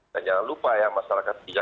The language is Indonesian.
dan jangan lupa ya masalah kesejahteraan